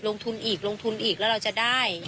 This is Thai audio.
ลงทุนอีกลงทุนอีกแล้วเราจะได้